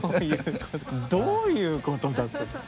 どういうことだそれ。